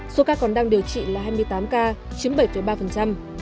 số ca còn đang điều trị là hai mươi tám ca chiếm bảy ba